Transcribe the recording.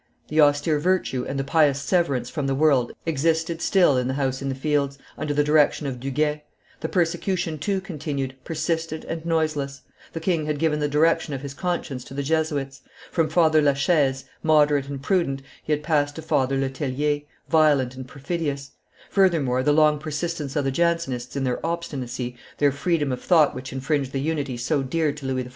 The austere virtue and the pious severance from the world existed still in the house in the Fields, under the direction of Duguet; the persecution too continued, persistent and noiseless; the king had given the direction of his conscience to the Jesuits; from Father La Chaise, moderate and prudent, he had passed to Father Letellier, violent and perfidious; furthermore, the long persistence of the Jansenists in their obstinacy, their freedom of thought which infringed the unity so dear to Louis XIV.